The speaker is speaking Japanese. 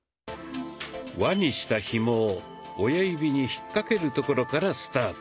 輪にしたひもを親指に引っ掛けるところからスタート。